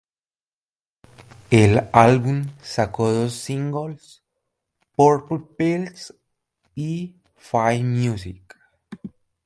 El álbum sacó dos singles: "Purple Pills" y "Fight Music".